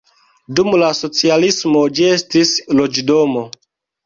Dum la socialismo ĝi estis loĝdomo.